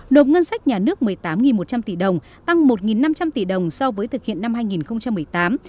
nộp ngân sách nhà nước một mươi tám một trăm linh tỷ đồng tăng một năm trăm linh tỷ đồng so với thực hiện năm hai nghìn một mươi tám